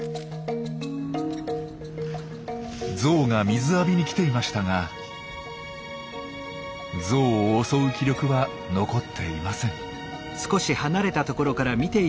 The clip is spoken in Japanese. ゾウが水浴びに来ていましたがゾウを襲う気力は残っていません。